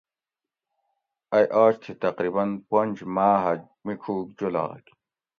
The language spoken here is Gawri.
ائ آج تھی تقریباً پونج ماۤ ھہ میڄوگ جولاگ